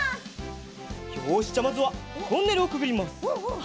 よしじゃあまずはトンネルをくぐります。